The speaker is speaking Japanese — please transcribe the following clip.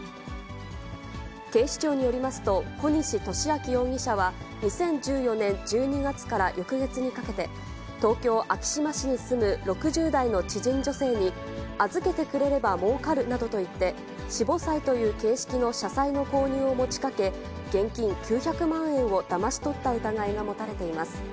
警視庁によりますと、小西利明容疑者は、２０１４年１２月から翌月にかけて、東京・昭島市に住む６０代の知人女性に、預けてくれればもうかるなどと言って、私募債という形式の社債の購入を持ちかけ、現金９００万円をだまし取った疑いが持たれています。